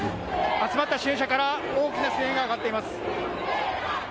集まった支援者から大きな歓声が上がっています。